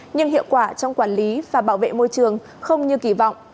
nhưng hiệu quả trong quản lý và bảo vệ môi trường không như kỳ vọng